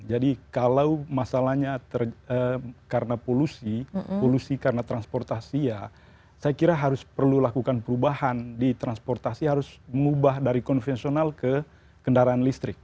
jadi kalau masalahnya karena polusi polusi karena transportasi ya saya kira harus perlu lakukan perubahan di transportasi harus mengubah dari konvensional ke kendaraan listrik